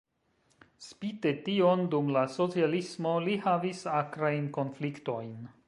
Spite tion dum la socialismo li havis akrajn konfliktojn.